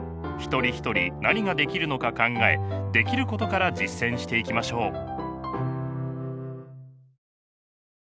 一人ひとり何ができるのか考えできることから実践していきましょう。